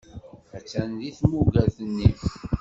Attan deg tmugert-nni.